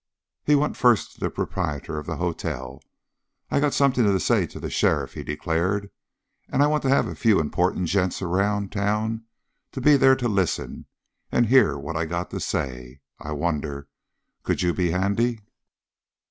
He went first to the proprietor of the hotel. "I got something to say to the sheriff," he declared. "And I want to have a few important gents around town to be there to listen and hear what I got to say. I wonder, could you be handy?"